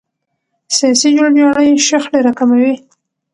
سیاسي جوړجاړی شخړې راکموي